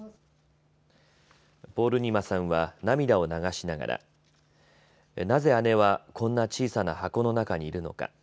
ポールニマさんは涙を流しながらなぜ姉はこんな小さな箱の中にいるのか。